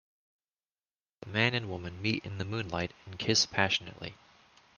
The man and woman meet in the moonlight and kiss passionately.